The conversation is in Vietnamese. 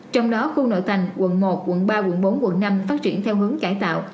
trong đó khu nội thành quận một quận ba quận bốn quận năm phát triển theo hướng cải tạo